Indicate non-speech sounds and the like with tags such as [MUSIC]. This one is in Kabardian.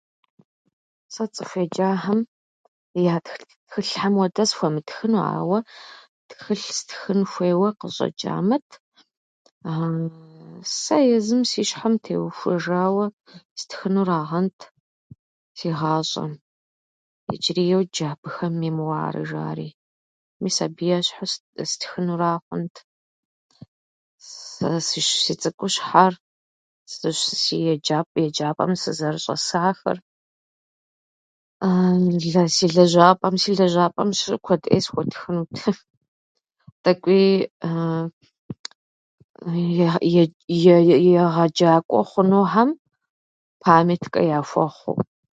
Сэ цӏыху еджахьэм я тхылъ- тхылъхьэм хуэдэ схуэмытхыну, ауэ тхылэ стхын хуейуэ къыщӏэчӏамэт [HESITATION] сэ езым си щхьэм теухуэжауэ стхынурагъэнт, си гъащӏэм. Иджыри йоджэ абыхэм мемуары жари. Мис абы ещхьу стх- стхынура хъунт. Сэ сищ- си цӏыкӏущхьэр, сыщ- си еджапӏэм, еджапӏэм сызэрыщӏэсахэр [HESITATION] си лэжьапӏэм- Си лэжьапӏэм щыщу куэд ӏей схуэтхынут. Тӏэкӏуи [HESITATION] едж- [HESITATION] егъэджакӏуэ хъунухьэм памяткэ яхуэхъуу.